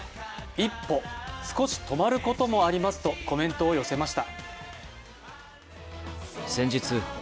「一歩少し止まることもあります」とコメントを寄せました。